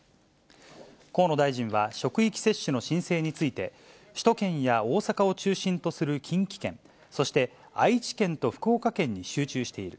河野大臣は職域接種の申請について、首都圏や大阪を中心とする近畿圏、そして愛知県と福岡県に集中している。